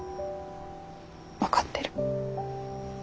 分かってる。